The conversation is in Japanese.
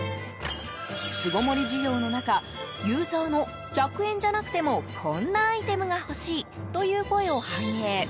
巣ごもり需要の中、ユーザーの１００円じゃなくてもこんなアイテムが欲しいという声を反映。